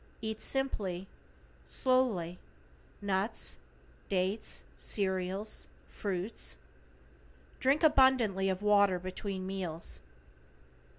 Eat simply, slowly, nuts, dates, cereals, fruits. Drink abundantly of water between meals.